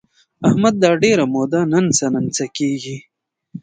احمد دا ډېره موده ننڅه ننڅه کېږي.